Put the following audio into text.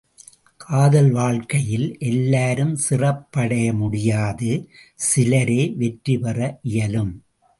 காதல் வாழ்க்கையில் எல்லாரும் சிறப்படைய முடியாது, சிலரே வெற்றிபெற இயலும்!